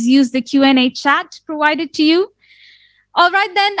silakan gunakan chat qna yang diberikan kepada anda